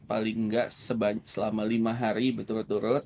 paling gak selama lima hari berturut turut